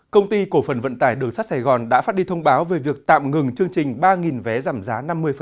công ty cổ phần vận tải đường sắt sài gòn đã phát đi thông báo về việc tạm ngừng chương trình ba vé giảm giá năm mươi